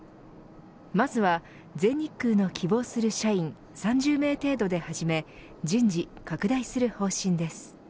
まずは全日空の希望する社員３０名程度で始め順次、拡大する方針です。